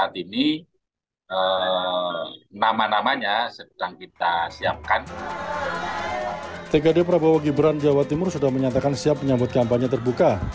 tgd prabowo gibran jawa timur sudah menyatakan siap menyambut kampanye terbuka